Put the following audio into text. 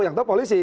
yang tahu polisi